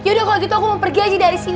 yaudah kalau gitu aku mau pergi aja dari sini